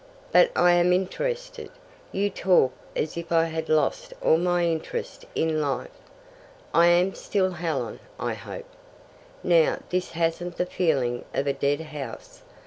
"But I am interested. You talk as if I had lost all my interest in life. I am still Helen, I hope. Now this hasn't the feel of a dead house.